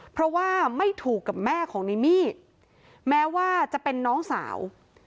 เพราะว่าไม่ถูกกับแม่ของในมี่แม้ว่าจะเป็นน้องสาว